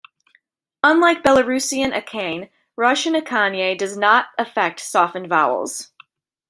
Unlike Belarusian akanne, Russian akanye does not affect softened vowels.